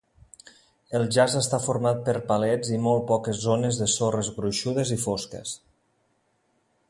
El jaç està format per palets i molt poques zones de sorres gruixudes i fosques.